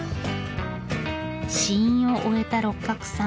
試飲を終えた六角さん。